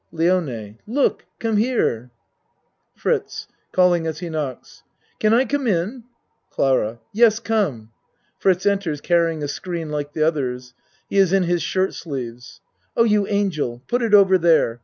LIONE Look! Come here. FRITZ (Calling as he knocks.) Can I come in CLARA Yes, come. (Fritz enters carrying a screen like the others. He is in his shirt sleeves.) Oh, you angel! Put it over there.